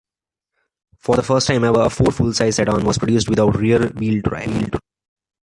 For the first time ever, a Ford full-size sedan was produced without rear-wheel drive.